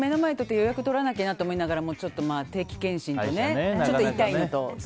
予約取らなきゃなと思いながらちょっと定期健診とか痛いのと。